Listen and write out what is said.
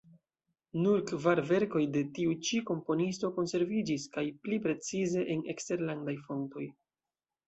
Nur kvar verkoj de tiu ĉi komponisto konserviĝis kaj, pli precize, en eksterlandaj fontoj.